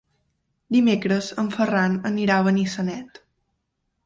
Dimecres en Ferran anirà a Benissanet.